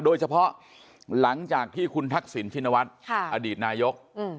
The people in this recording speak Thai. โดยเฉพาะหลังจากที่คุณทักษิณชินวัฒน์อดีตนายก